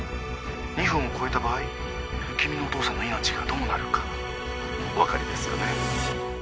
２分を超えた場合君のお父さんの命がどうなるかお分かりですよね？